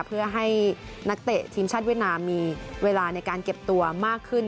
เพื่อให้นักเตะทีมชาติเวียดนามมีเวลาในการเก็บตัวมากขึ้น